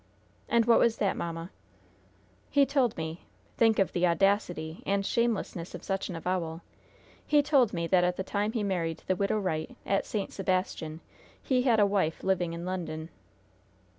"And what was that, mamma?" "He told me think of the audacity and shamelessness of such an avowal! he told me that at the time he married the Widow Wright, at St. Sebastian, he had a wife living in London."